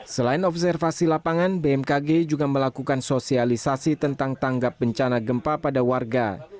selain observasi lapangan bmkg juga melakukan sosialisasi tentang tanggap bencana gempa pada warga